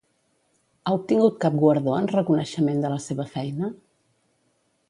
Ha obtingut cap guardó en reconeixement de la seva feina?